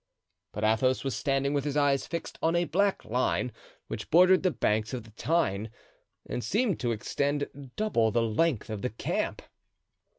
But Athos was standing with his eyes fixed on a black line which bordered the banks of the Tyne and seemed to extend double the length of the camp.